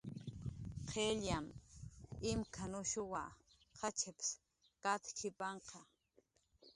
"Qillyanh imk""anushunwa, qachips katk""ipanqa"